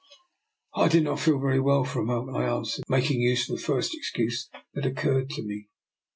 ''" I did not feel very well for a moment," I answered, making use of the first excuse that occurred to me.